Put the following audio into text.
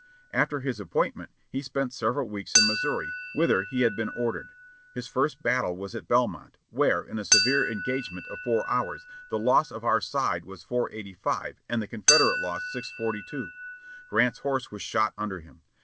After his appointment he spent several weeks in Missouri, whither he had been ordered. His first battle was at Belmont, where, in a severe engagement of four hours, the loss on our side was 485, and the Confederate loss 642. Grant's horse was shot under him.